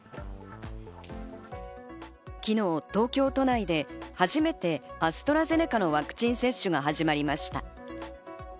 昨日、東京都内で初めてアストラゼネカのワクチン接種が始まりました。